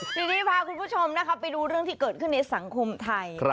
ทีนี้พาคุณผู้ชมนะคะไปดูเรื่องที่เกิดขึ้นในสังคมไทย